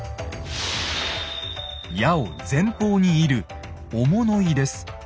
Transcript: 矢を前方に射る「追物射」です。